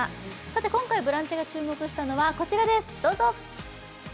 今回、「ブランチ」が注目したのはこちらです。